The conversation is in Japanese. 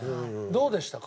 どうでしたか？